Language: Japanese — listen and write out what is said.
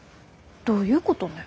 どういうことね？